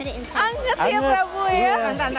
anget ya prabu ya